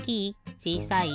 ちいさい？